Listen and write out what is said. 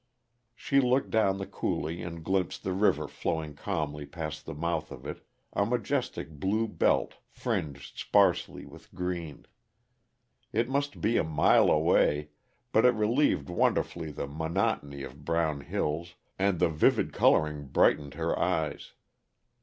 She looked down the coulee and glimpsed the river flowing calmly past the mouth of it, a majestic blue belt fringed sparsely with green. It must be a mile away, but it relieved wonderfully the monotony of brown hills, and the vivid coloring brightened her eyes.